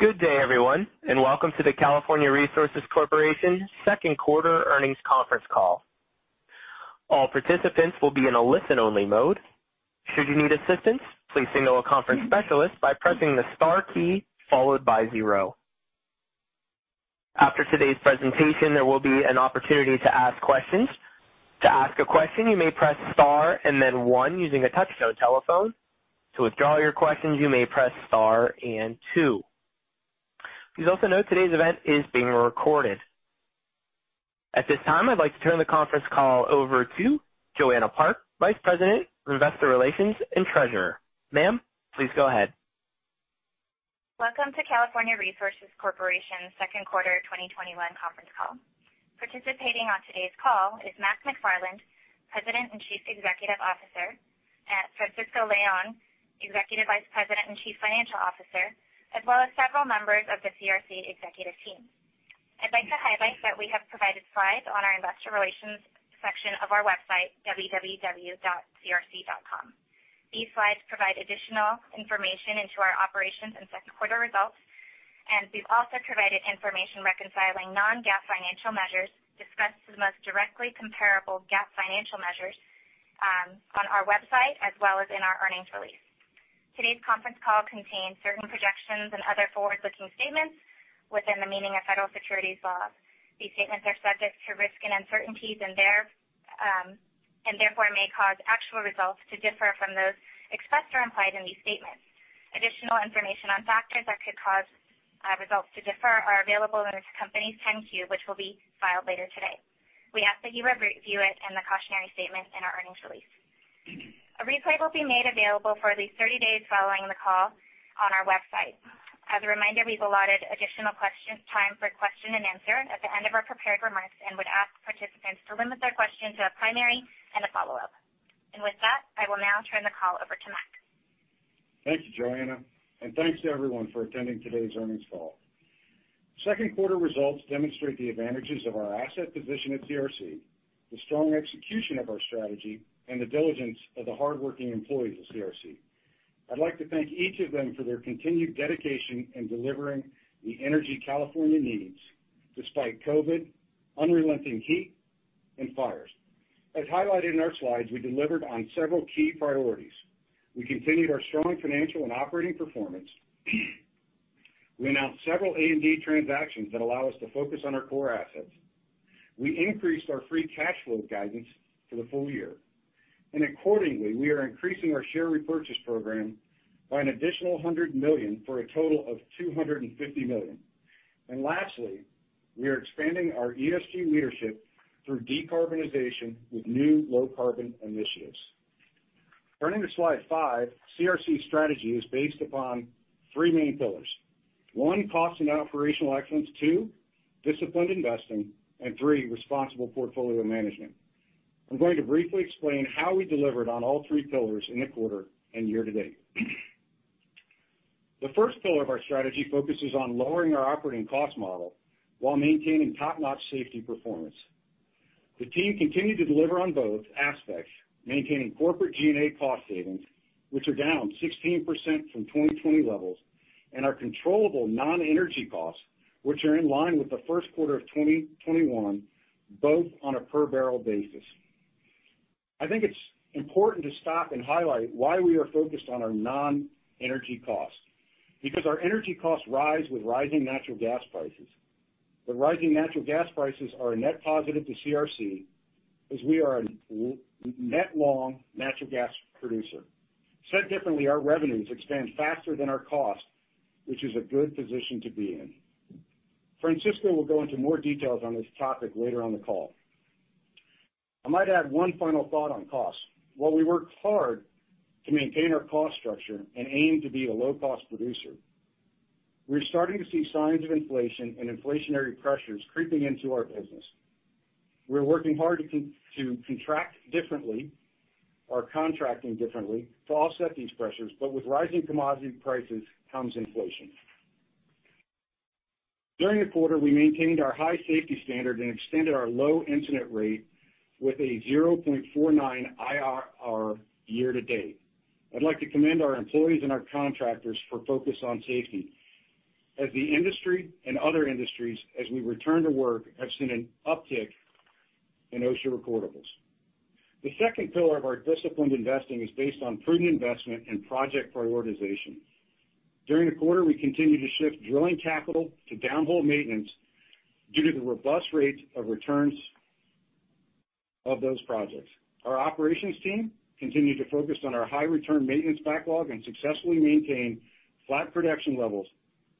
Good day, everyone, welcome to the California Resources Corporation Q2 earnings conference call. All participants will be in a listen-only mode. Should you need assistance, please signal a conference specialist by pressing the star key followed by zero. After today's presentation, there will be an opportunity to ask questions. To ask a question, you may press star and then one using a touch-tone telephone. To withdraw your questions, you may press star and two. Please also note today's event is being recorded. At this time, I'd like to turn the conference call over to Joanna Park, Vice President of Investor Relations and Treasurer. Ma'am, please go ahead. Welcome to California Resources Corporation Q2 2021 conference call. Participating on today's call is Mark A. McFarland, President and Chief Executive Officer, Francisco Leon, Executive Vice President and Chief Financial Officer, as well as several members of the CRC executive team. I'd like to highlight that we have provided slides on our investor relations section of our website, www.crc.com. These slides provide additional information into our operations and Q2 results. We've also provided information reconciling non-GAAP financial measures discussed to the most directly comparable GAAP financial measures, on our website as well as in our earnings release. Today's conference call contains certain projections and other forward-looking statements within the meaning of federal securities laws. These statements are subject to risks and uncertainties, therefore may cause actual results to differ from those expressed or implied in these statements. Additional information on factors that could cause results to differ are available in this company's 10-Q, which will be filed later today. We ask that you review it and the cautionary statement in our earnings release. A replay will be made available for at least 30 days following the call on our website. As a reminder, we've allotted additional time for question and answer at the end of our prepared remarks and would ask participants to limit their question to a primary and a follow-up. With that, I will now turn the call over to Mark. Thank you, Joanna. Thanks to everyone for attending today's earnings call. Q2 results demonstrate the advantages of our asset position at CRC, the strong execution of our strategy, and the diligence of the hardworking employees of CRC. I'd like to thank each of them for their continued dedication in delivering the energy California needs despite COVID, unrelenting heat, and fires. As highlighted in our slides, we delivered on several key priorities. We continued our strong financial and operating performance. We announced several A&D transactions that allow us to focus on our core assets. We increased our free cash flow guidance for the full year. Accordingly, we are increasing our share repurchase program by an additional $100 million for a total of $250 million. Lastly, we are expanding our ESG leadership through decarbonization with new low-carbon initiatives. Turning to slide five, CRC's strategy is based upon three main pillars. one, cost and operational excellence. two, disciplined investing. three, responsible portfolio management. I'm going to briefly explain how we delivered on all three pillars in the quarter and year to date. The first pillar of our strategy focuses on lowering our operating cost model while maintaining top-notch safety performance. The team continued to deliver on both aspects, maintaining corporate G&A cost savings, which are down 16% from 2020 levels, and our controllable non-energy costs, which are in line with the Q1 of 2021, both on a per-barrel basis. I think it's important to stop and highlight why we are focused on our non-energy costs. Our energy costs rise with rising natural gas prices. Rising natural gas prices are a net positive to CRC, as we are a net long natural gas producer. Said differently, our revenues expand faster than our costs, which is a good position to be in. Francisco will go into more details on this topic later on the call. I might add one final thought on costs. While we work hard to maintain our cost structure and aim to be a low-cost producer, we're starting to see signs of inflation and inflationary pressures creeping into our business. We're working hard to contract differently or contracting differently to offset these pressures, but with rising commodity prices comes inflation. During the quarter, we maintained our high safety standard and extended our low incident rate with a IRR 0.49 year to date. I'd like to commend our employees and our contractors for focus on safety, as the industry and other industries, as we return to work, have seen an uptick in OSHA recordables. The second pillar of our disciplined investing is based on prudent investment and project prioritization. During the quarter, we continued to shift drilling capital to downhole maintenance due to the robust rates of returns of those projects. Our operations team continued to focus on our high-return maintenance backlog and successfully maintained flat production levels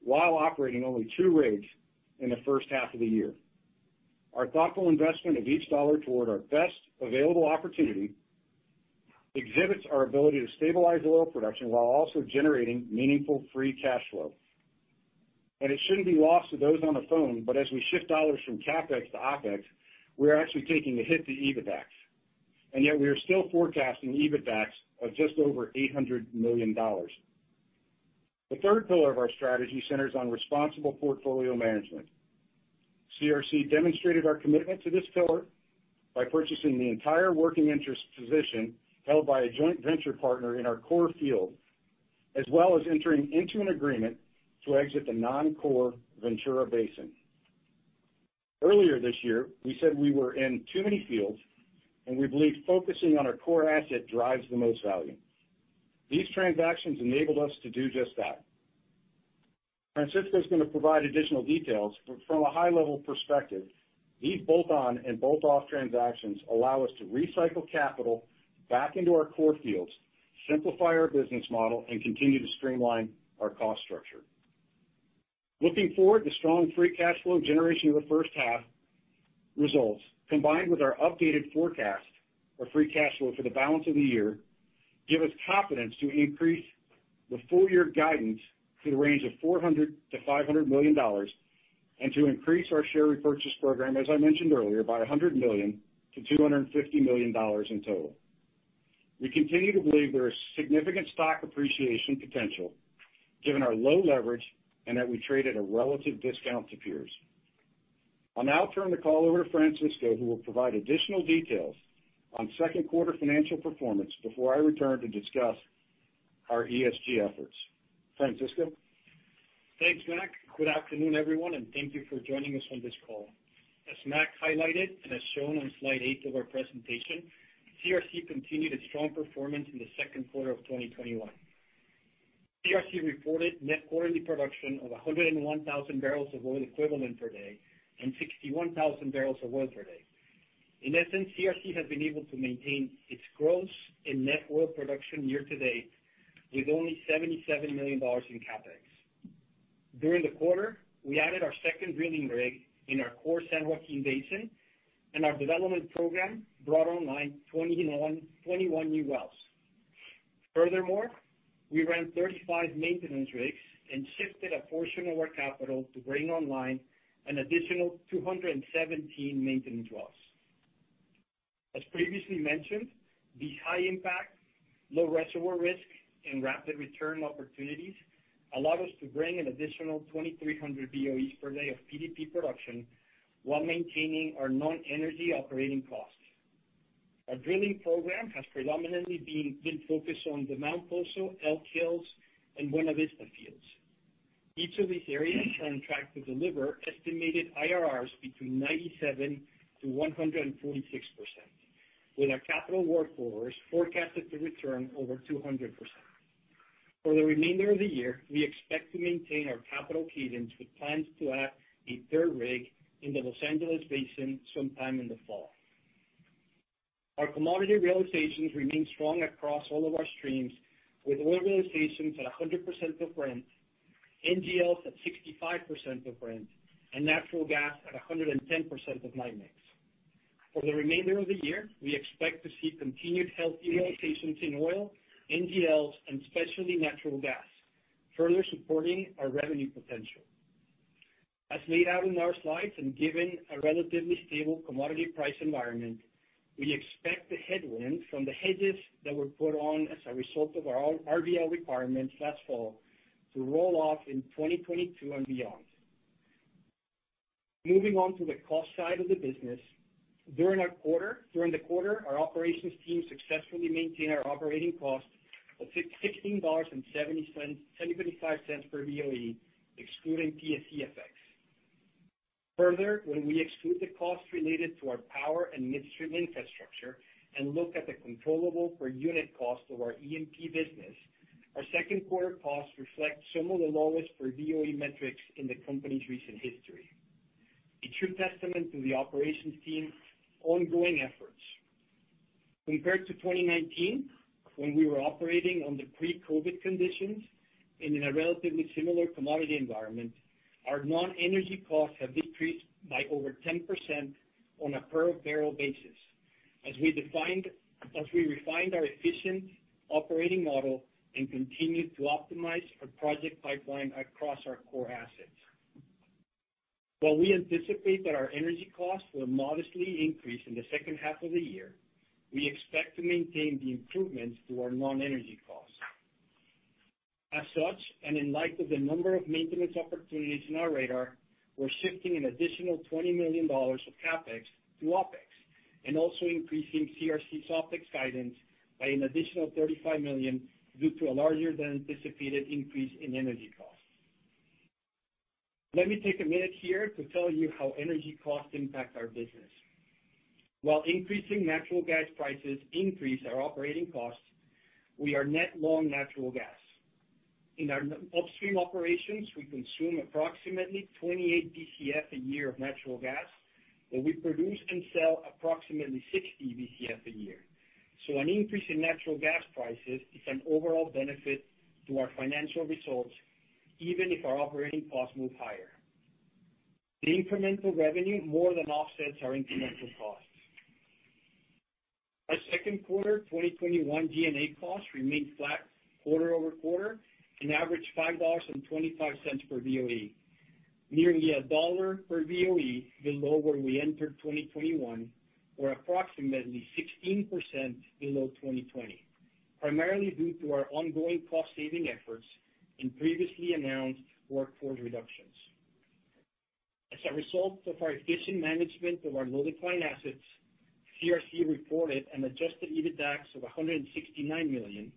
while operating only two rigs in the first half of the year. Our thoughtful investment of each dollar toward our best available opportunity exhibits our ability to stabilize oil production while also generating meaningful free cash flow. It shouldn't be lost to those on the phone, but as we shift dollars from CapEx to OpEx, we are actually taking a hit to EBITDAX. Yet we are still forecasting EBITDAX of just over $800 million. The third pillar of our strategy centers on responsible portfolio management. CRC demonstrated our commitment to this pillar by purchasing the entire working interest position held by a joint venture partner in our core field, as well as entering into an agreement to exit the non-core Ventura Basin. Earlier this year, we said we were in too many fields, and we believe focusing on our core asset drives the most value. These transactions enabled us to do just that. Francisco is going to provide additional details, but from a high-level perspective, these bolt-on and bolt-off transactions allow us to recycle capital back into our core fields, simplify our business model, and continue to streamline our cost structure. Looking forward, the strong free cash flow generation of the first half results, combined with our updated forecast for free cash flow for the balance of the year, give us confidence to increase the full-year guidance to the range of $400 million-$500 million, and to increase our share repurchase program, as I mentioned earlier, by $100 million-$250 million in total. We continue to believe there is significant stock appreciation potential given our low leverage and that we trade at a relative discount to peers. I'll now turn the call over to Francisco, who will provide additional details on Q2 financial performance before I return to discuss our ESG efforts. Francisco? Thanks, Mark. Good afternoon, everyone, and thank you for joining us on this call. As Mark highlighted, and as shown on slide eight of our presentation, CRC continued its strong performance in the Q2 of 2021. CRC reported net quarterly production of 101,000 barrels of oil equivalent per day and 61,000 barrels of oil per day. In essence, CRC has been able to maintain its gross and net oil production year to date with only $77 million in CapEx. During the quarter, we added our second drilling rig in our core San Joaquin Basin, and our development program brought online 21 new wells. Furthermore, we ran 35 maintenance rigs and shifted a portion of our capital to bring online an additional 217 maintenance wells. As previously mentioned, these high impact, low reservoir risk, and rapid return opportunities allow us to bring an additional 2,300 BOEs per day of PDP production while maintaining our non-energy operating costs. Our drilling program has predominantly been focused on the Mount Poso, Elk Hills, and Buena Vista fields. Each of these areas are on track to deliver estimated IRRs between 97%-146%, with our capital workovers forecasted to return over 200%. For the remainder of the year, we expect to maintain our capital cadence with plans to add a third rig in the Los Angeles Basin sometime in the fall. Our commodity realizations remain strong across all of our streams, with oil realizations at 100% of Brent, NGLs at 65% of Brent, and natural gas at 110% of NYMEX. For the remainder of the year, we expect to see continued healthy realizations in oil, NGLs, and especially natural gas, further supporting our revenue potential. As laid out in our slides and given a relatively stable commodity price environment, we expect the headwinds from the hedges that were put on as a result of our RBL requirements last fall to roll off in 2022 and beyond. Moving on to the cost side of the business. During the quarter, our operations team successfully maintained our operating cost of $16.75 per BOE, excluding PSC effects. Further, when we exclude the costs related to our power and midstream infrastructure and look at the controllable per unit cost of our E&P business, our Q2 costs reflect some of the lowest per BOE metrics in the company's recent history. A true testament to the operations team's ongoing efforts. Compared to 2019, when we were operating under pre-COVID conditions and in a relatively similar commodity environment, our non-energy costs have decreased by over 10% on a per barrel basis as we refined our efficient operating model and continued to optimize our project pipeline across our core assets. We anticipate that our energy costs will modestly increase in the second half of the year, we expect to maintain the improvements to our non-energy costs. In light of the number of maintenance opportunities on our radar, we're shifting an additional $20 million of CapEx to OpEx and also increasing CRC's OpEx guidance by an additional $35 million due to a larger than anticipated increase in energy costs. Let me take a minute here to tell you how energy costs impact our business. Increasing natural gas prices increase our operating costs, we are net long natural gas. In our upstream operations, we consume approximately 28 Bcf a year of natural gas, but we produce and sell approximately 60 Bcf a year. An increase in natural gas prices is an overall benefit to our financial results, even if our operating costs move higher. The incremental revenue more than offsets our incremental costs. Our Q2 2021 G&A costs remained flat quarter-over-quarter and averaged $5.25 per BOE, nearly $1 per BOE below where we entered 2021 or approximately 16% below 2020. Primarily due to our ongoing cost-saving efforts in previously announced workforce reductions. As a result of our efficient management of our low decline assets, CRC reported an adjusted EBITDAX of $169 million,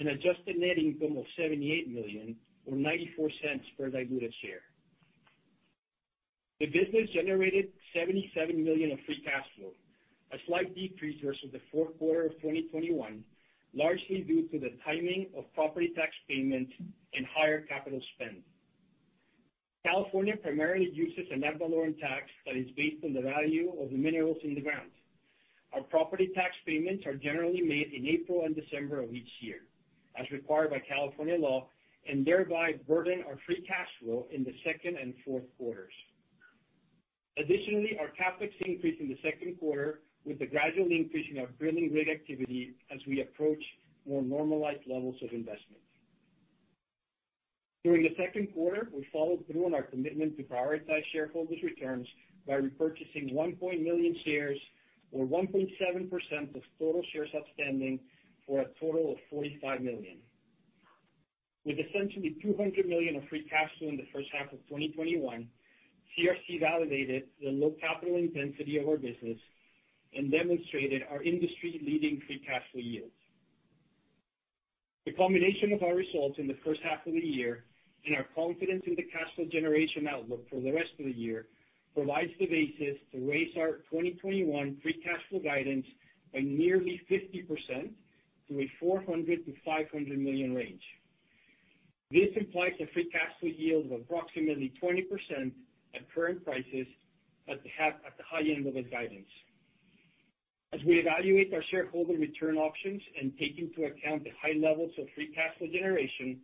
an adjusted net income of $78 million or $0.94 per diluted share. The business generated $77 million of free cash flow, a slight decrease versus the Q4 of 2021, largely due to the timing of property tax payments and higher capital spend. California primarily uses an ad valorem tax that is based on the value of the minerals in the ground. Our property tax payments are generally made in April and December of each year, as required by California law, and thereby burden our free cash flow in the second and Q4s. Additionally, our CapEx increased in the Q2 with the gradual increasing of drilling rig activity as we approach more normalized levels of investment. During the Q2, we followed through on our commitment to prioritize shareholders' returns by repurchasing 1.1 million shares or 1.7% of total shares outstanding for a total of $45 million. With essentially $200 million of free cash flow in the first half of 2021, CRC validated the low capital intensity of our business and demonstrated our industry-leading free cash flow yields. The combination of our results in the first half of the year and our confidence in the cash flow generation outlook for the rest of the year provides the basis to raise our 2021 free cash flow guidance by nearly 50% to a $400 million-$500 million range. This implies a free cash flow yield of approximately 20% at current prices at the high end of this guidance. As we evaluate our shareholder return options and take into account the high levels of free cash flow generation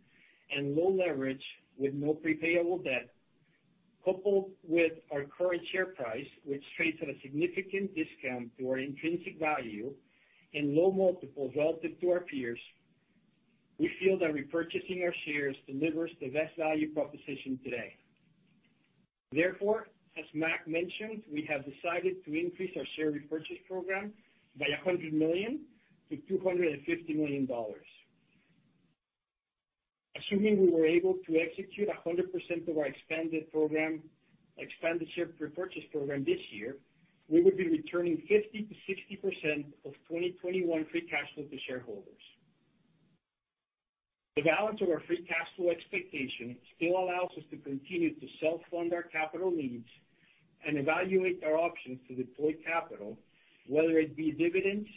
and low leverage with no payable debt, coupled with our current share price, which trades at a significant discount to our intrinsic value and low multiples relative to our peers, we feel that repurchasing our shares delivers the best value proposition today. Therefore, as Mark mentioned, we have decided to increase our share repurchase program by $100 million to $250 million. Assuming we were able to execute 100% of our expanded share repurchase program this year, we would be returning 50% to 60% of 2021 free cash flow to shareholders. The balance of our free cash flow expectation still allows us to continue to self-fund our capital needs and evaluate our options to deploy capital, whether it be dividends,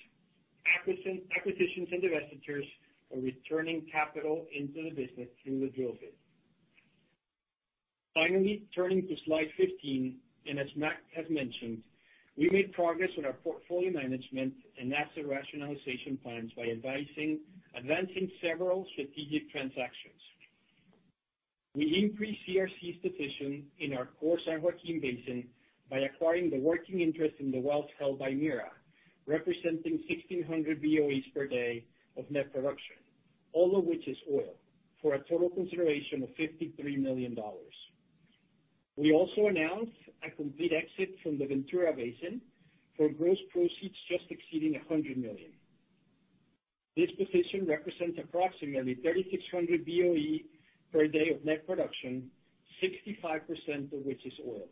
acquisitions, and divestitures, or returning capital into the business through the drill bit. Finally, turning to slide 15, and as Mark has mentioned, we made progress on our portfolio management and asset rationalization plans by advancing several strategic transactions. We increased CRC's position in our core San Joaquin Basin by acquiring the working interest in the wells held by MIRA, representing 1,600 BOEs per day of net production, all of which is oil, for a total consideration of $53 million. We also announced a complete exit from the Ventura Basin for gross proceeds just exceeding $100 million. This position represents approximately 3,600 BOE per day of net production, 65% of which is oil.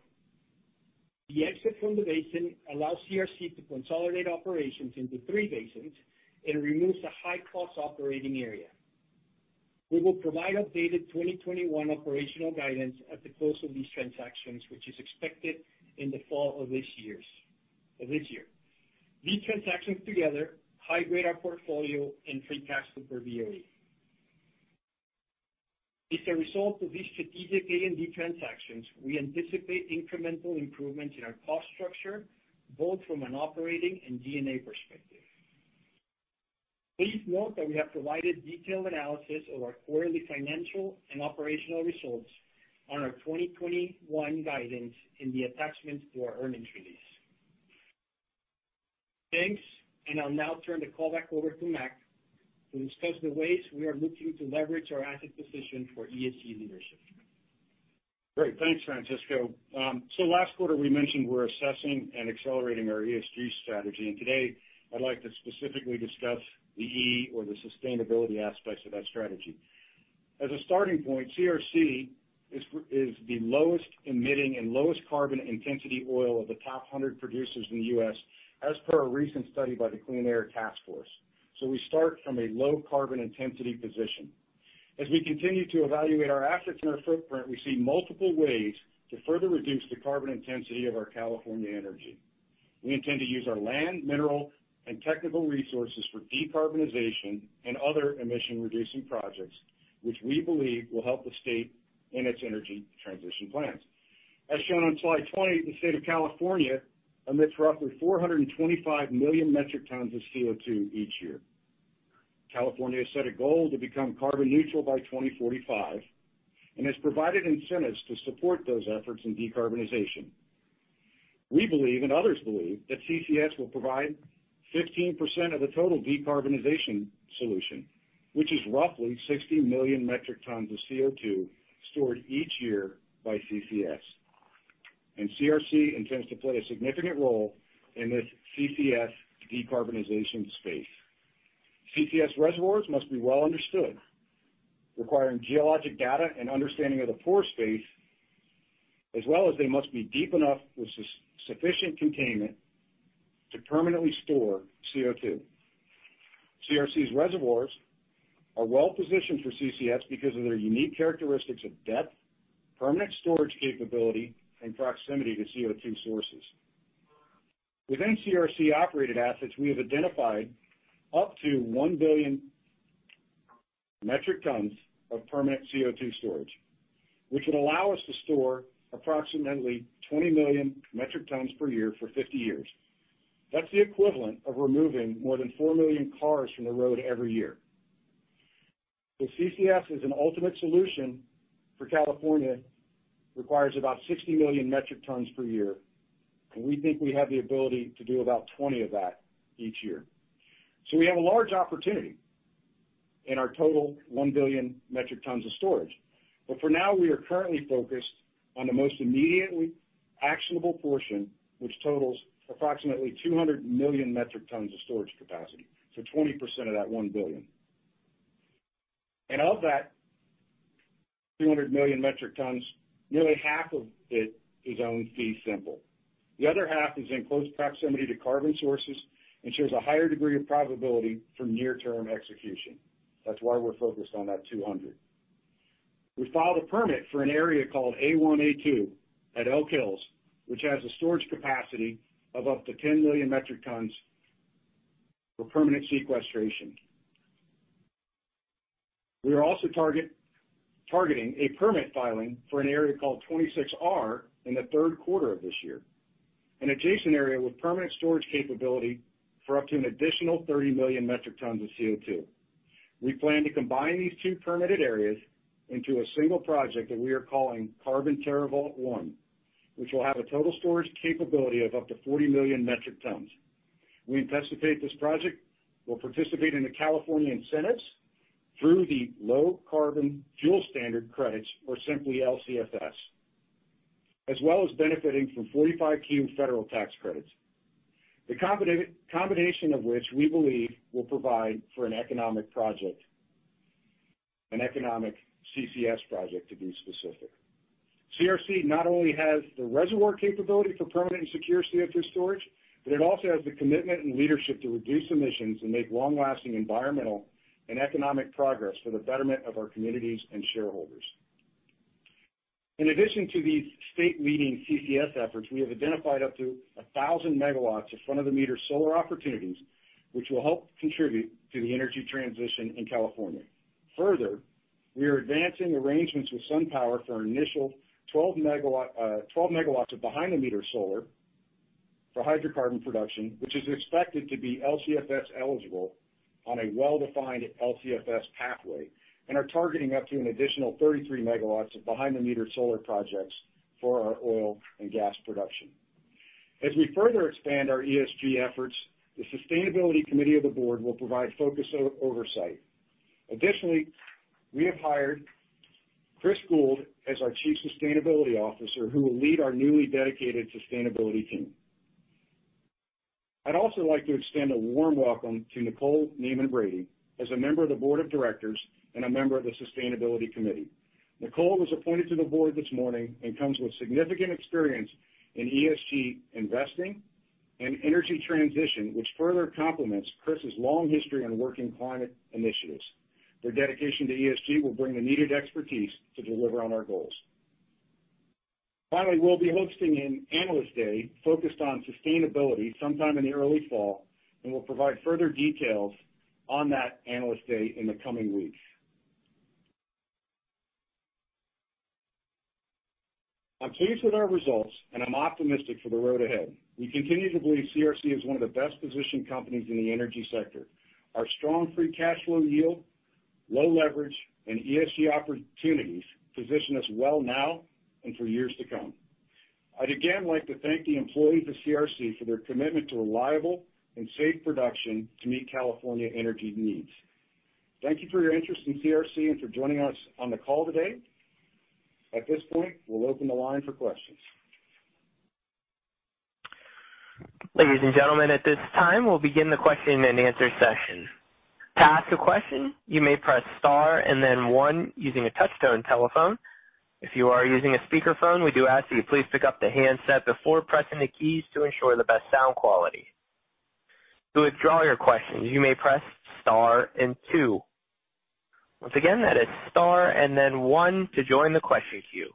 The exit from the basin allows CRC to consolidate operations into 3 basins and removes the high cost operating area. We will provide updated 2021 operational guidance at the close of these transactions, which is expected in the fall of this year. These transactions together high-grade our portfolio in free cash flow per BOE. As a result of these strategic A&D transactions, we anticipate incremental improvements in our cost structure, both from an operating and DD&A perspective. Please note that we have provided detailed analysis of our quarterly financial and operational results on our 2021 guidance in the attachment to our earnings release. Thanks. I'll now turn the call back over to Mark to discuss the ways we are looking to leverage our asset position for ESG leadership. Great. Thanks, Francisco. Last quarter, we mentioned we're assessing and accelerating our ESG strategy, and today I'd like to specifically discuss the E or the sustainability aspects of that strategy. As a starting point, CRC is the lowest emitting and lowest carbon intensity oil of the top 100 producers in the U.S. as per a recent study by the Clean Air Task Force. We start from a low carbon intensity position. As we continue to evaluate our assets and our footprint, we see multiple ways to further reduce the carbon intensity of our California energy. We intend to use our land, mineral, and technical resources for decarbonization and other emission-reducing projects, which we believe will help the state in its energy transition plans. As shown on slide 20, the state of California emits roughly 425 million metric tons of CO2 each year. California has set a goal to become carbon neutral by 2045 and has provided incentives to support those efforts in decarbonization. We believe and others believe that CCS will provide 15% of the total decarbonization solution, which is roughly 60 million metric tons of CO2 stored each year by CCS. CRC intends to play a significant role in this CCS decarbonization space. CCS reservoirs must be well understood, requiring geologic data and understanding of the pore space, as well as they must be deep enough with sufficient containment to permanently store CO2. CRC's reservoirs are well-positioned for CCS because of their unique characteristics of depth, permanent storage capability, and proximity to CO2 sources. Within CRC-operated assets, we have identified up to 1 billion metric tons of permanent CO2 storage, which would allow us to store approximately 20 million metric tons per year for 50 years. That's the equivalent of removing more than 4 million cars from the road every year. The CCS is an ultimate solution for California, requires about 60 million metric tons per year, we think we have the ability to do about 20 of that each year. We have a large opportunity in our total 1 billion metric tons of storage. For now, we are currently focused on the most immediately actionable portion, which totals approximately 200 million metric tons of storage capacity. 20% of that 1 billion. Of that 200 million metric tons, nearly half of it is owned fee simple. The other half is in close proximity to carbon sources and shows a higher degree of probability for near-term execution. That's why we're focused on that 200. We filed a permit for an area called A1, A2 at Elk Hills, which has a storage capacity of up to 10 million metric tons for permanent sequestration. We are also targeting a permit filing for an area called 26R in the Q3 of this year, an adjacent area with permanent storage capability for up to an additional 30 million metric tons of CO2. We plan to combine these two permitted areas into a single project that we are calling Carbon TerraVault 1, which will have a total storage capability of up to 40 million metric tons. We anticipate this project will participate in the California incentives through the Low Carbon Fuel Standard credits, or simply LCFS, as well as benefiting from 45Q federal tax credits, the combination of which we believe will provide for an economic project, an economic CCS project to be specific. CRC not only has the reservoir capability for permanent and secure CO2 storage, but it also has the commitment and leadership to reduce emissions and make long-lasting environmental and economic progress for the betterment of our communities and shareholders. In addition to these state-leading CCS efforts, we have identified up to 1,000 MW of front-of-the-meter solar opportunities, which will help contribute to the energy transition in California. Further, we are advancing arrangements with SunPower for an initial 12 MW of behind-the-meter solar for hydrocarbon production, which is expected to be LCFS eligible on a well-defined LCFS pathway and are targeting up to an additional 33 MW of behind-the-meter solar projects for our oil and gas production. As we further expand our ESG efforts, the sustainability committee of the board will provide focused oversight. Additionally, we have hired Chris Gould as our Chief Sustainability Officer, who will lead our newly dedicated sustainability team. I'd also like to extend a warm welcome to Nicole Neeman Brady as a member of the board of directors and a member of the sustainability committee. Nicole was appointed to the board this morning and comes with significant experience in ESG investing and energy transition, which further complements Chris's long history on working climate initiatives. Their dedication to ESG will bring the needed expertise to deliver on our goals. Finally, we'll be hosting an Analyst Day focused on sustainability sometime in the early fall. We'll provide further details on that Analyst Day in the coming weeks. I'm pleased with our results and I'm optimistic for the road ahead. We continue to believe CRC is one of the best-positioned companies in the energy sector. Our strong free cash flow yield, low leverage, and ESG opportunities position us well now and for years to come. I'd again like to thank the employees of CRC for their commitment to reliable and safe production to meet California energy needs. Thank you for your interest in CRC and for joining us on the call today. At this point, we'll open the line for questions. Ladies and gentlemen, at this time, we'll begin the question and answer session. To ask a question, you may press star and then one using a touch-tone telephone. If you are using a speakerphone, we do ask that you please pick up the handset before pressing the keys to ensure the best sound quality. To withdraw your question, you may press star and two. Once again, that is star and then one to join the question queue.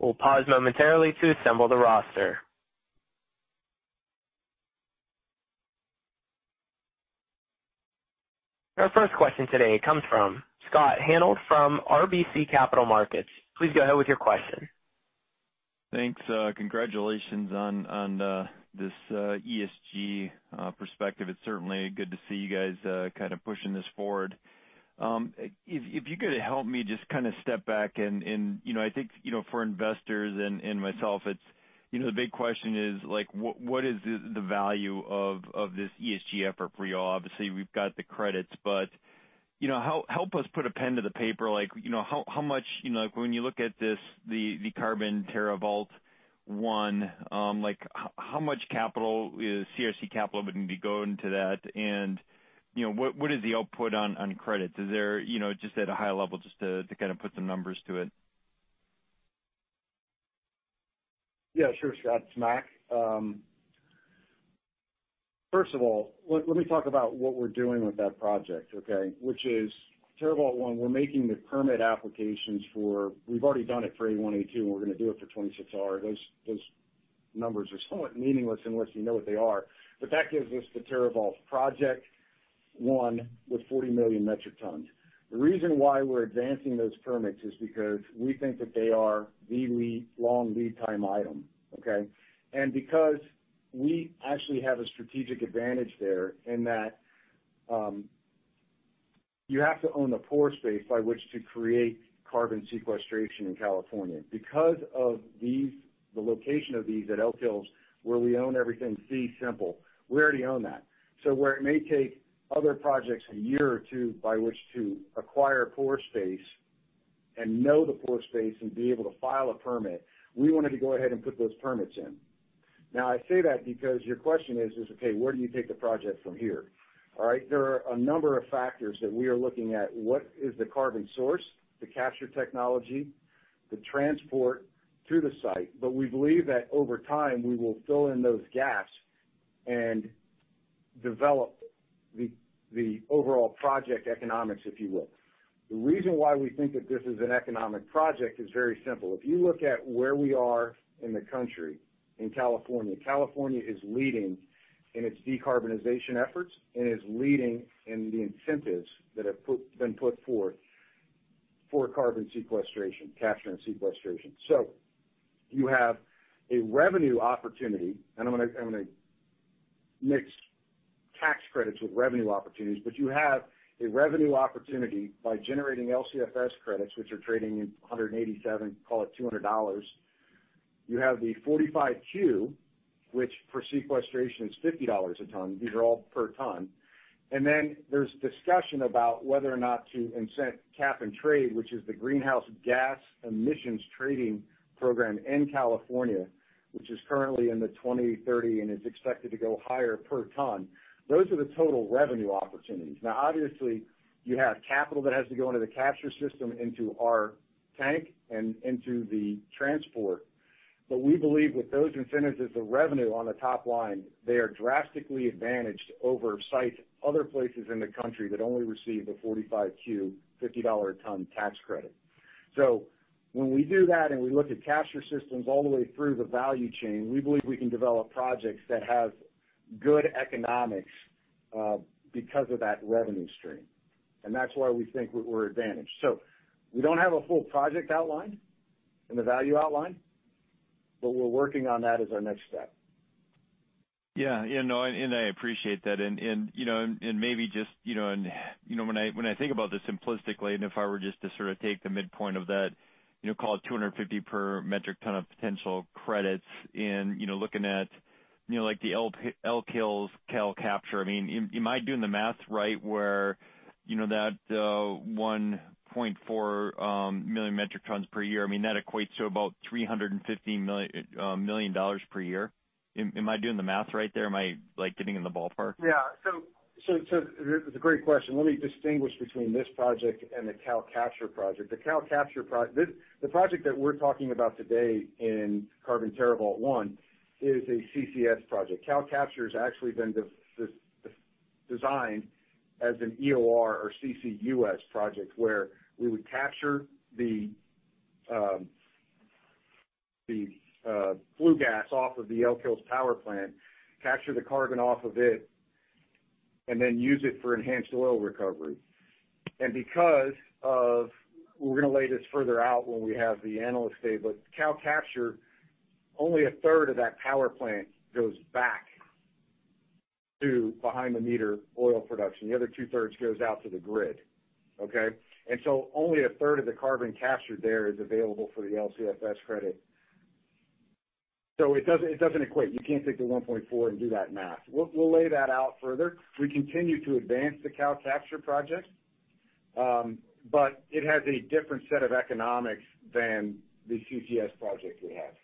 We'll pause momentarily to assemble the roster. Our first question today comes from Scott Hanold from RBC Capital Markets. Please go ahead with your question. Thanks. Congratulations on this ESG perspective. It's certainly good to see you guys pushing this forward. If you could help me just step back and, I think for investors and myself, the big question is what is the value of this ESG effort for you all? Obviously, we've got the credits, but help us put a pen to the paper. When you look at this, the Carbon TerraVault 1, how much CRC capital would be going to that? What is the output on credits? Just at a high level, just to put some numbers to it. Yeah, sure, Scott. It's Mark. First of all, let me talk about what we're doing with that project, okay. Which is TerraVault 1. We're making the permit applications. We've already done it for A1A2, and we're going to do it for 26R. Those numbers are somewhat meaningless unless you know what they are. That gives us the TerraVault project 1 with 40 million metric tons. The reason why we're advancing those permits is because we think that they are the long lead time item, okay. Because we actually have a strategic advantage there in that you have to own the pore space by which to create carbon sequestration in California. Because of the location of these at Elk Hills, where we own everything fee simple, we already own that. Where it may take other projects one or two by which to acquire pore space and know the pore space and be able to file a permit, we wanted to go ahead and put those permits in. I say that because your question is, okay, where do you take the project from here? All right? There are a number of factors that we are looking at. What is the carbon source, the capture technology, the transport through the site? We believe that over time, we will fill in those gaps and develop the overall project economics, if you will. The reason why we think that this is an economic project is very simple. If you look at where we are in the country, in California. California is leading in its decarbonization efforts and is leading in the incentives that have been put forth for carbon sequestration, capture and sequestration. You have a revenue opportunity, and I'm going to mix tax credits with revenue opportunities, but you have a revenue opportunity by generating LCFS credits, which are trading at $187, call it $200. You have the 45Q, which for sequestration is $50 a ton. These are all per ton. Then there's discussion about whether or not to incent cap and trade, which is the greenhouse gas emissions trading program in California, which is currently in the $20, $30, and is expected to go higher per ton. Those are the total revenue opportunities. Obviously, you have capital that has to go into the capture system, into our tank, and into the transport. We believe with those incentives as the revenue on the top line, they are drastically advantaged over sites other places in the country that only receive a 45Q $50 a ton tax credit. When we do that, and we look at capture systems all the way through the value chain, we believe we can develop projects that have good economics because of that revenue stream. That's why we think we're advantaged. We don't have a full project outline and the value outline, but we're working on that as our next step. Yeah. I appreciate that. When I think about this simplistically, if I were just to sort of take the midpoint of that, call it 250 per metric ton of potential credits in looking at the Elk Hills CalCapture. Am I doing the math right where that 1.4 million metric tons per year, that equates to about $350 million per year? Am I doing the math right there? Am I getting in the ballpark? Yeah. It's a great question. Let me distinguish between this project and the CalCapture project. The project that we're talking about today in Carbon TerraVault 1 is a CCS project. CalCapture's actually been designed as an EOR or CCUS project where we would capture the flue gas off of the Elk Hills power plant, capture the carbon off of it, and then use it for enhanced oil recovery. We're going to lay this further out when we have the Analyst Day, but CalCapture, only a third of that power plant goes back to behind-the-meter oil production. The other two-thirds goes out to the grid. Okay. Only a third of the carbon captured there is available for the LCFS credit. It doesn't equate. You can't take the 1.4 and do that math. We'll lay that out further. We continue to advance the CalCapture project, but it has a different set of economics than the CCS project we have.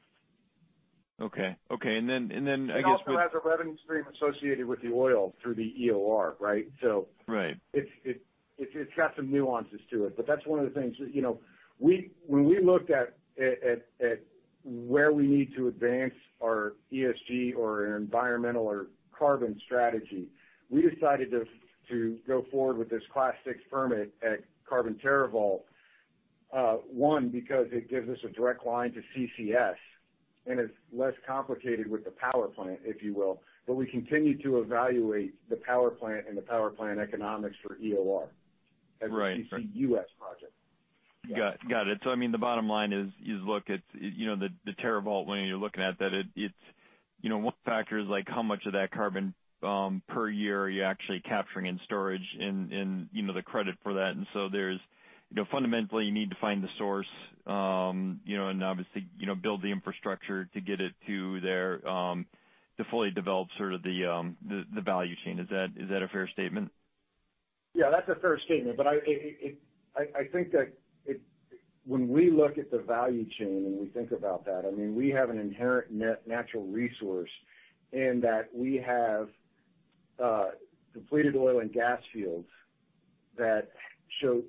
Okay. I guess. It also has a revenue stream associated with the oil through the EOR, right? Right. It's got some nuances to it. That's one of the things. When we looked at where we need to advance our ESG or our environmental or carbon strategy, we decided to go forward with this Class VI permit at Carbon TerraVault 1, because it gives us a direct line to CCS, and it's less complicated with the power plant, if you will. We continue to evaluate the power plant and the power plant economics for EOR as a CCUS project. Got it. The bottom line is, look, the TerraVault, when you're looking at that, one factor is how much of that carbon per year are you actually capturing in storage and the credit for that. Fundamentally, you need to find the source, and obviously, build the infrastructure to get it to there to fully develop the value chain. Is that a fair statement? Yeah, that's a fair statement. I think that when we look at the value chain and we think about that, we have an inherent natural resource in that we have depleted oil and gas fields that show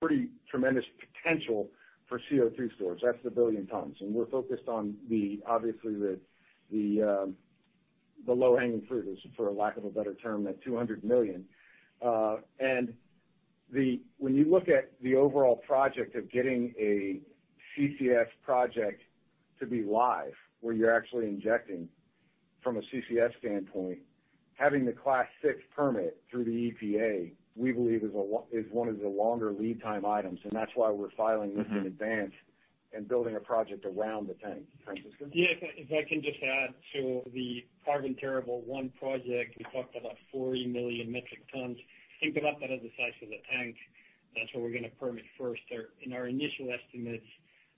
pretty tremendous potential for CO2 storage. That's the billion tons. We're focused on, obviously, the low-hanging fruit, for lack of a better term, that 200 million. When you look at the overall project of getting a CCS project to be live, where you're actually injecting from a CCS standpoint, having the Class VI permit through the EPA, we believe is one of the longer lead time items, and that's why we're filing this in advance and building a project around the tank. Francisco? Yeah, if I can just add to the Carbon TerraVault 1 project, we talked about 40 million metric tons. Think about that as the size of the tank. That's what we're going to permit first. Our initial estimates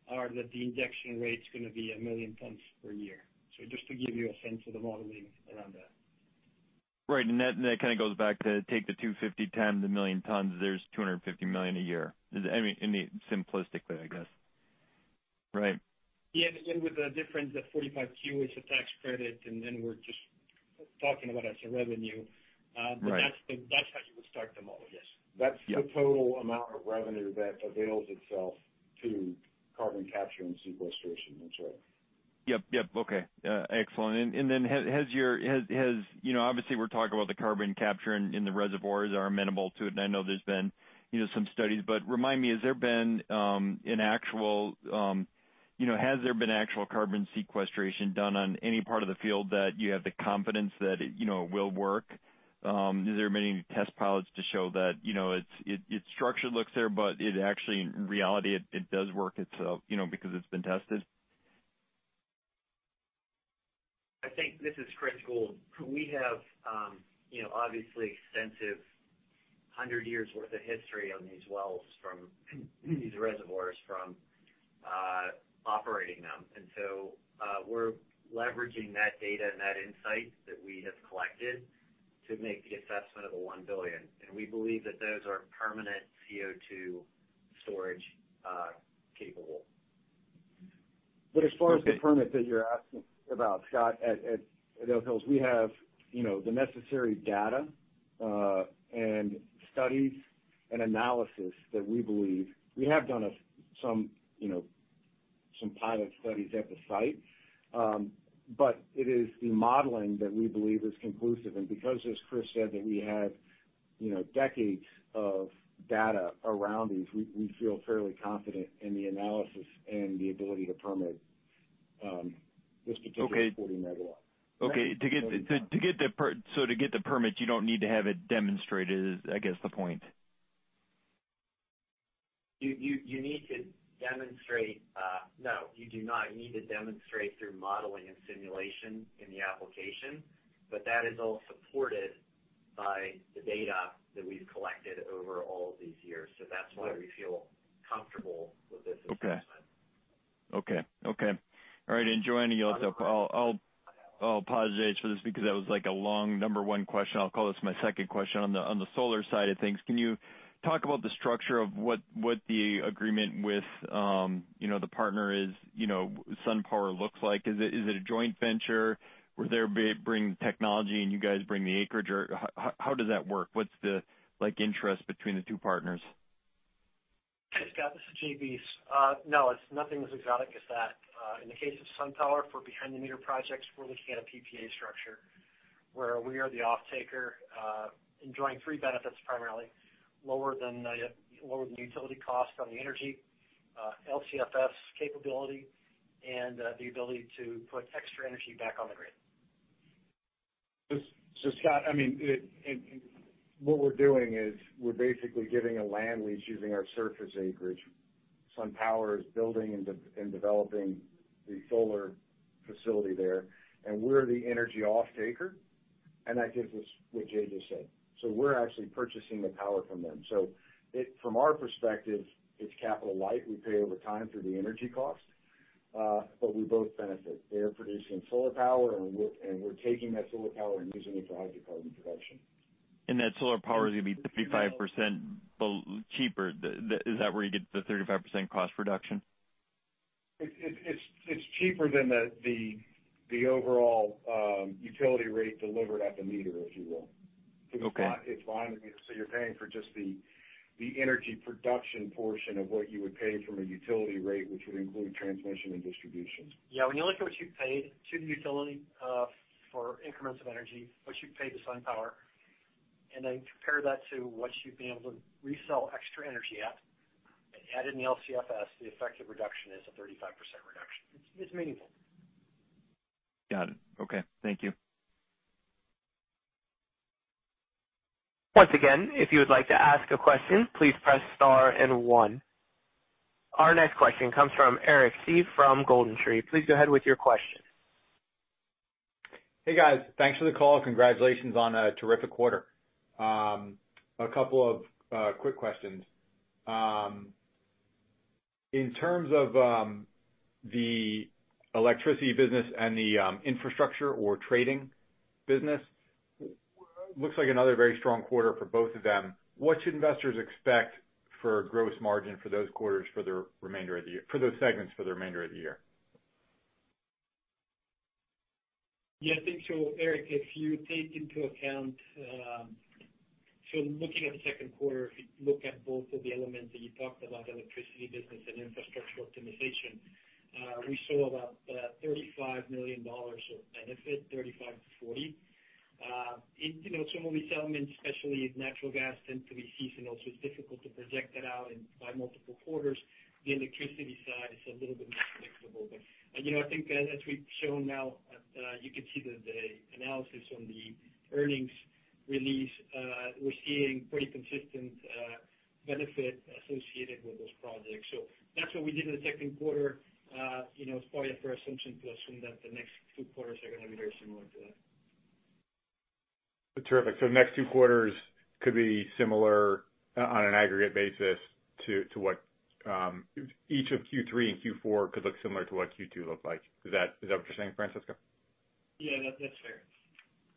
are that the injection rate's going to be 1 million tons per year. Just to give you a sense of the modeling around that. Right. That kind of goes back to take the 250x the million tons, there's 250 million a year. Simplistically, I guess. Right. Yeah, with the difference, the 45Q, it's a tax credit, we're just talking about it as a revenue. Right. That's how you would start the model, yes. That's the total amount of revenue that avails itself to carbon capture and sequestration. That's right. Yep. Okay. Excellent. Obviously, we're talking about the carbon capture and the reservoirs are amenable to it, and I know there's been some studies, but remind me, has there been actual carbon sequestration done on any part of the field that you have the confidence that it will work? Is there many test pilots to show that its structure looks there, but it actually, in reality, it does work because it's been tested? This is Chris Gould. We have obviously extensive 100 years' worth of history on these wells from these reservoirs from operating them. We're leveraging that data and that insight that we have collected to make the assessment of the $1 billion. We believe that those are permanent CO2 storage capable. As far as the permit that you're asking about, Scott, at Elk Hills, we have the necessary data and studies and analysis that we believe. We have done some pilot studies at the site, but it is the modeling that we believe is conclusive. Because, as Chris said, that we have decades of data around these, we feel fairly confident in the analysis and the ability to permit this particular 40 MW. Okay. To get the permit, you don't need to have it demonstrated, is I guess the point. No, you do not. You need to demonstrate through modeling and simulation in the application, that is all supported by the data that we've collected over all of these years. That's why we feel comfortable with this assessment. Joining you, I'll pause for this because that was a long number one question. I'll call this my second question on the solar side of things. Can you talk about the structure of what the agreement with the partner is, SunPower looks like? Is it a joint venture where they bring technology and you guys bring the acreage, or how does that work? What's the interest between the two partners? Scott Hanold, this is Jay Bys. It's nothing as exotic as that. In the case of SunPower, for behind-the-meter projects, we're looking at a PPA structure where we are the offtaker, enjoying three benefits primarily, lower than utility cost on the energy, LCFS capability, and the ability to put extra energy back on the grid. Scott, what we're doing is we're basically giving a land lease using our surface acreage. SunPower is building and developing the solar facility there, and we're the energy offtaker, and that gives us what Jay Bys. just said. We're actually purchasing the power from them. From our perspective, it's capital light. We pay over time through the energy cost. We both benefit. They're producing solar power, and we're taking that solar power and using it for hydrocarbon production. That solar power is going to be 35% cheaper. Is that where you get the 35% cost reduction? It's cheaper than the overall utility rate delivered at the meter, if you will. Okay. You're paying for just the energy production portion of what you would pay from a utility rate, which would include transmission and distribution. Yeah. When you look at what you paid to the utility for increments of energy, what you paid to SunPower, and then compare that to what you'd be able to resell extra energy at, and add in the LCFS, the effective reduction is a 35% reduction. It's meaningful. Got it. Okay. Thank you. Our next question comes from Eric Seeve from GoldenTree Asset Management. Please go ahead with your question. Hey guys, thanks for the call. Congratulations on a terrific quarter. A couple of quick questions. In terms of the electricity business and the infrastructure or trading business, looks like another very strong quarter for both of them. What should investors expect for gross margin for those segments for the remainder of the year? Yeah, I think so, Eric, if you take into account, looking at the Q2, if you look at both of the elements that you talked about, electricity business and infrastructure optimization, we saw about $35 million of benefit, $35 million-$40 million. Some of these elements, especially natural gas, tend to be seasonal, it's difficult to project that out by multiple quarters. The electricity side is a little bit more flexible. I think as we've shown now, you can see the analysis on the earnings release. We're seeing pretty consistent benefit associated with those projects. That's what we did in the Q2. It's probably a fair assumption to assume that the next two quarters are going to be very similar to that. Terrific. The next two quarters could be similar on an aggregate basis to each of Q3 and Q4 could look similar to what Q2 looked like. Is that what you're saying, Francisco? Yeah, that's fair.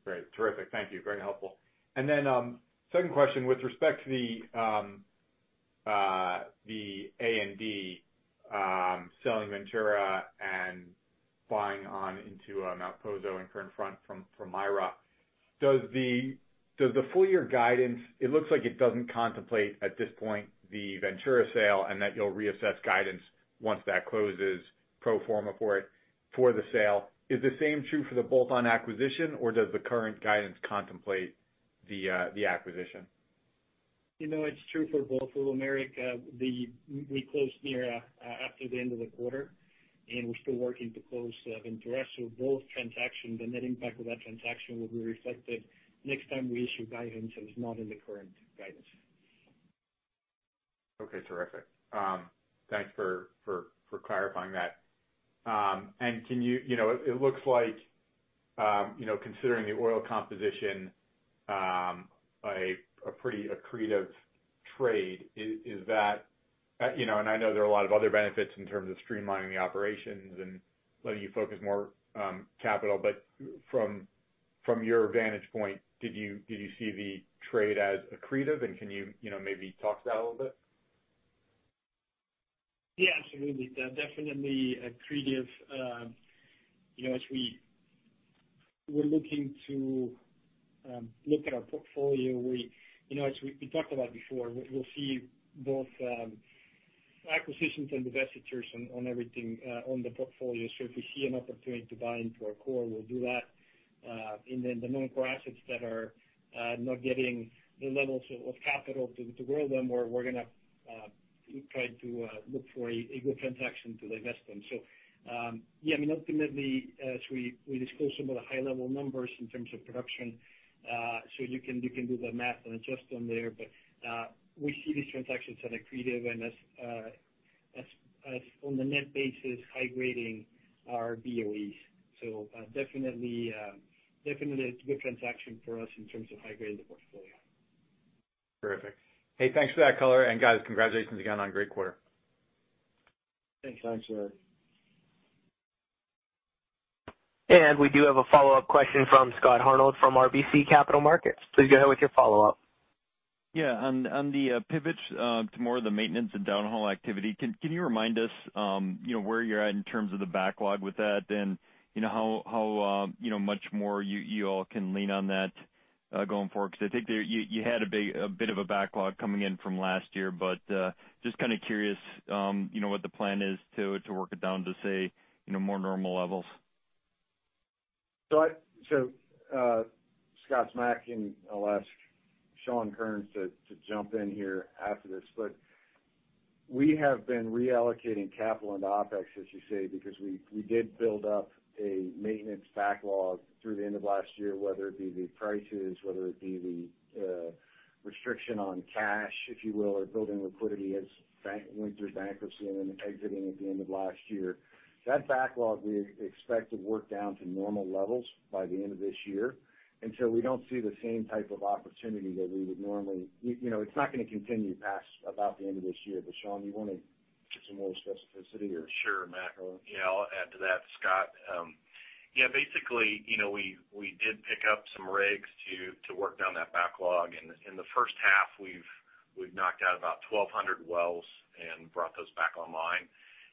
Great. Terrific. Thank you. Very helpful. Second question, with respect to the A&D, selling Ventura and buying on into Mount Poso and Kern Front from MIRA, does the full year guidance, it looks like it doesn't contemplate at this point the Ventura sale, and that you'll reassess guidance once that closes pro forma for it for the sale. Is the same true for the bolt-on acquisition, or does the current guidance contemplate the acquisition? It's true for both. For the America, we close near after the end of the quarter, and we're still working to close Ventura. Both transactions, the net impact of that transaction will be reflected next time we issue guidance that is not in the current guidance. Okay, terrific. Thanks for clarifying that. It looks like, considering the oil composition, a creative trade. I know there are a lot of other benefits in terms of streamlining the operations and letting you focus more capital, but from your vantage point, did you see the trade as accretive, and can you maybe talk to that a little bit? Yeah, absolutely. Definitely accretive. As we're looking to look at our portfolio, as we talked about before, we'll see both acquisitions and divestitures on everything on the portfolio. If we see an opportunity to buy into our core, we'll do that. The non-core assets that are not getting the levels of capital to grow them, we're going to try to look for a good transaction to divest them. Yeah, ultimately, as we disclose some of the high-level numbers in terms of production, so you can do the math and adjust them there, but we see these transactions as accretive and as on the net basis high-grading our BOEs. Definitely it's a good transaction for us in terms of high-grading the portfolio. Terrific. Hey, thanks for that color. Guys, congratulations again on a great quarter. Thanks. We do have a follow-up question from Scott Hanold from RBC Capital Markets. Please go ahead with your follow-up. Yeah. On the pivots to more of the maintenance and downhole activity, can you remind us where you're at in terms of the backlog with that and how much more you all can lean on that going forward? I think you had a bit of a backlog coming in from last year, but just kind of curious what the plan is to work it down to, say, more normal levels. Scott, it's Mark, and I'll ask Shawn Kerns to jump in here after this. We have been reallocating capital into OpEx, as you say, because we did build up a maintenance backlog through the end of last year, whether it be the prices, whether it be the restriction on cash, if you will, or building liquidity as went through bankruptcy and then exiting at the end of last year. That backlog we expect to work down to normal levels by the end of this year until we don't see the same type of opportunity that we would normally. It's not going to continue past about the end of this year. Shawn, you want to give some more specificity or? Sure, Mark. I'll add to that, Scott. Basically, we did pick up some rigs to work down that backlog. In the first half, we've knocked out about 1,200 wells and brought those back online.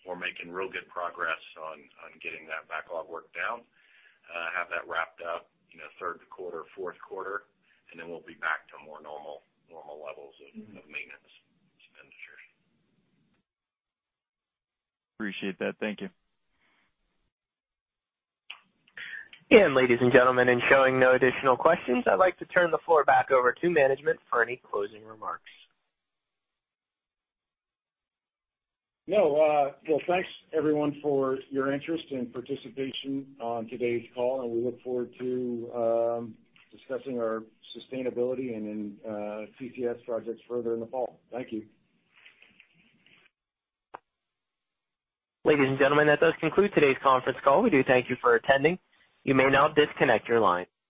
We're making real good progress on getting that backlog work down. Have that wrapped up Q3, Q4, and then we'll be back to more normal levels of maintenance expenditures. Appreciate that. Thank you. Ladies and gentlemen, in showing no additional questions, I'd like to turn the floor back over to management for any closing remarks. Well, thanks everyone for your interest and participation on today's call. We look forward to discussing our sustainability and CCS projects further in the fall. Thank you. Ladies and gentlemen, that does conclude today's conference call. We do thank you for attending. You may now disconnect your line.